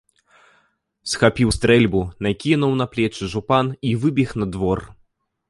Схапіў стрэльбу, накінуў на плечы жупан і выбег на двор.